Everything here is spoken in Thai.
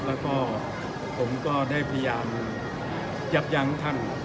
แล้วก็ผมก็ได้พยายามยับยั้งท่าน